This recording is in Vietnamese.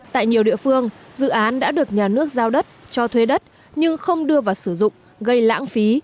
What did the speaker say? tại nhiều địa phương dự án đã được nhà nước giao đất cho thuê đất nhưng không đưa vào sử dụng gây lãng phí